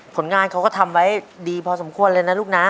ผลงานเขาก็ทำไว้ดีพอสมควรเลยนะลูกนะ